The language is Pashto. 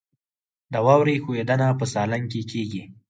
د واورې ښویدنه په سالنګ کې کیږي